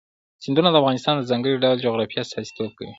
سیندونه د افغانستان د ځانګړي ډول جغرافیه استازیتوب کوي.